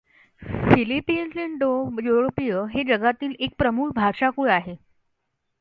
फिलिपिन्सइंडो युरोपीय हे जगातील एक प्रमुख भाषाकुळ आहे.